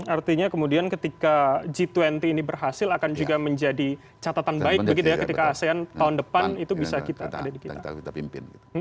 artinya kemudian ketika g dua puluh ini berhasil akan juga menjadi catatan baik begitu ya ketika asean tahun depan itu bisa kita ada di kita pimpin